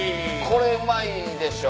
これうまい。